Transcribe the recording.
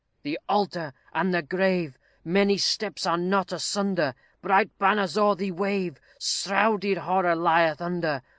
"The altar and the grave Many steps are not asunder; Bright banners o'er thee wave, Shrouded horror lieth under.